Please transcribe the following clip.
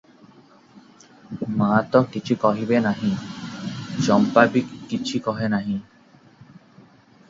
ମା ତ କିଛି କହିବେ ନାହିଁ, ଚମ୍ପା ବି କିଛି କହେ ନାହିଁ ।